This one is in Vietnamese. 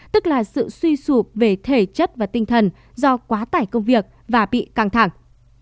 tức là sự suy sụp về thể chất và tinh thần do quá tải công việc và bị căng thẳng